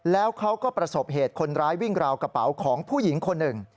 แล้วเขาก็ประสบเหตุคนร้ายวิ่งราวกระเป๋าของผู้หญิงคนหนึ่ง